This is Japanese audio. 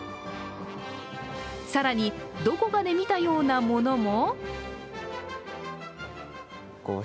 更にどこかで見たようなものも。